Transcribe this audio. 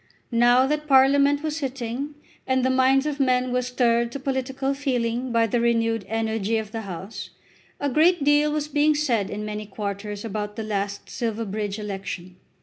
Now that Parliament was sitting, and the minds of men were stirred to political feeling by the renewed energy of the House, a great deal was being said in many quarters about the last Silverbridge election.